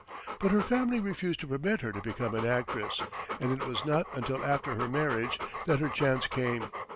But her family refused to permit her to become an actress, and it was not until after her marriage that her chance came.